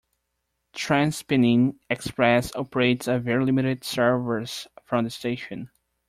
TransPennine Express operates a very limited service from the station.